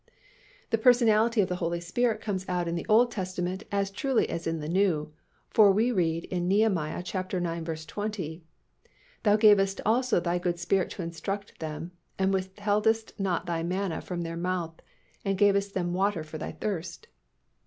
The personality of the Holy Spirit comes out in the Old Testament as truly as in the New, for we read in Neh. ix. 20, "Thou gavest also Thy good Spirit to instruct them, and withheldest not Thy manna from their mouth, and gavest them water for their thirst."